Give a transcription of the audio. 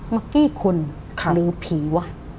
มักกี้คุณดูผีว่า